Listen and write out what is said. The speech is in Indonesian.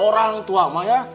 orang tua ya